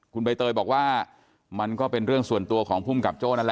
คุณใบเตยบอกว่ามันก็เป็นเรื่องส่วนตัวของภูมิกับโจ้นั่นแหละ